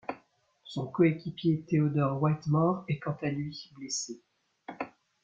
Son coéquipier Theodore Whitmore est quant à lui blessé.